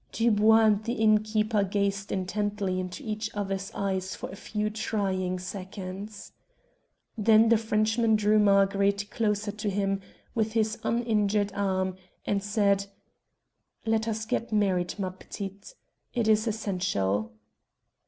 Dubois and the innkeeper gazed intently into each other's eyes for a few trying seconds. Then the Frenchman drew Marguerite closer to him, with his uninjured arm, and said "Let us get married, ma p'tite. It is essential."